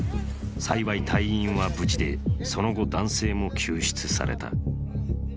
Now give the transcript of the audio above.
幸い隊員は無事で、その後、男性も救出された。